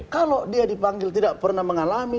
kalau dia dipanggil tidak pernah mengalami